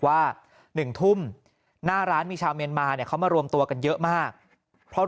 ว่า๑ทุ่มหน้าร้านมีชาวเมียนมาเนี่ยเขามารวมตัวกันเยอะมากเพราะ